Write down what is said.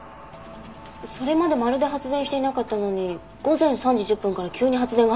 それまでまるで発電していなかったのに午前３時１０分から急に発電が始まってます。